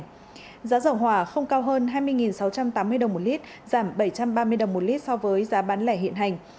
giá dầu hỏa không cao hơn hai mươi sáu trăm tám mươi đồng một lít giảm bảy trăm ba mươi đồng một lít so với giá bán lẻ hiện hành